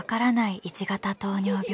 １型糖尿病。